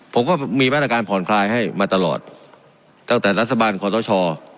ผมก็มีแวดการณ์ผ่อนคลายให้มาตลอดตั้งแต่รัฐบาลของตัวช่อ